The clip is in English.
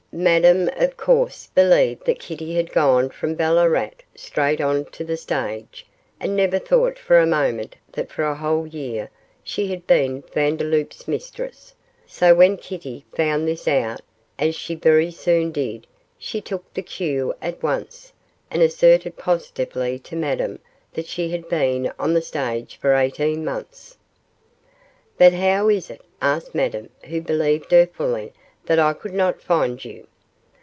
Madame, of course, believed that Kitty had gone from Ballarat straight on to the stage, and never thought for a moment that for a whole year she had been Vandeloup's mistress, so when Kitty found this out as she very soon did she took the cue at once, and asserted positively to Madame that she had been on the stage for eighteen months. 'But how is it,' asked Madame, who believed her fully, 'that I could not find you?